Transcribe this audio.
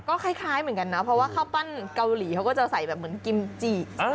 ก็คล้ายเหมือนกันนะเพราะว่าข้าวปั้นเกาหลีเขาก็จะใส่แบบเหมือนกิมจิ